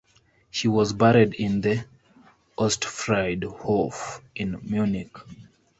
She was buried in the Ostfriedhof in Munich.